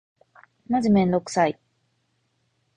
マジめんどくさい。